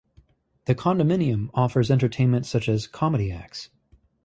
The condominium offers entertainment such as comedy acts.